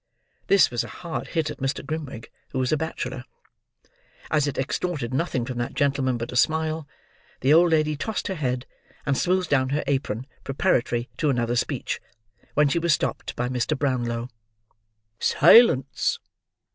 This was a hard hit at Mr. Grimwig, who was a bachelor. As it extorted nothing from that gentleman but a smile, the old lady tossed her head, and smoothed down her apron preparatory to another speech, when she was stopped by Mr. Brownlow. "Silence!"